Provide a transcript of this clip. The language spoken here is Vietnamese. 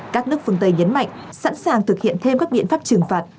các nước phương tây nhấn mạnh sẵn sàng thực hiện thêm các biện pháp trừng phạt